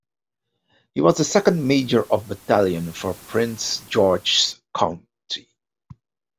He was the "second major of battalion" for Prince George's County.